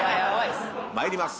参ります。